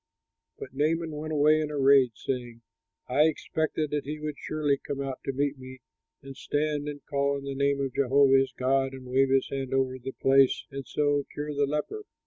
But Naaman went away in a rage, saying, "I expected that he would surely come out to me and stand and call on the name of Jehovah his God and wave his hand over the place, and so cure the leper.